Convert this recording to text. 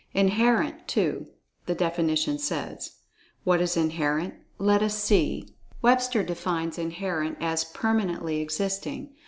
"Inherent," too, the definition says. What is "Inherent?" Let us see, Webster defines "Inherent" as "permanently existing."